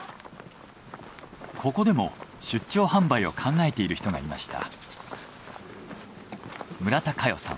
ここでも出張販売を考えている人がいました。